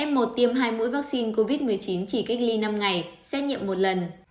m một tiêm hai mũi vaccine covid một mươi chín chỉ cách ly năm ngày xét nhiệm một lần